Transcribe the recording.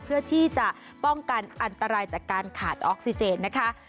เพื่อที่จะป้องกันอันตรายจากการขาดออกซิเจนนะคะ